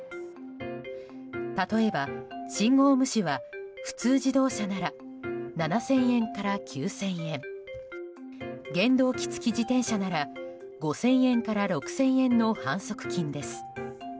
例えば、信号無視は普通自動車なら７０００円から９０００円。原動機付自転車なら５０００円から６０００円の反則金です。